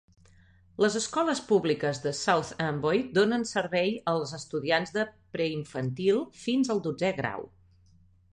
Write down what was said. Les escoles públiques de South Amboy donen servei als estudiants de preinfantil fins al dotzè grau.